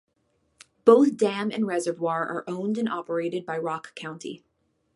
Both dam and reservoir are owned and operated by Rock County.